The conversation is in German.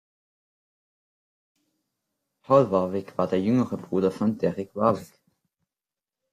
Paul Warwick war der jüngere Bruder von Derek Warwick.